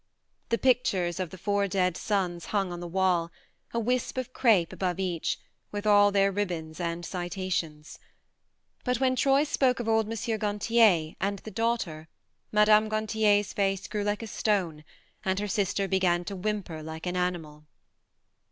The pictures of the four 76 THE MARNE dead sons hung on the wall, a wisp of crape above each, with all their ribbons and citations. But when Troy spoke of old M. Gantier and the daughter Mme. G an tier's face grew like a stone, and her sister began to whimper like an animal.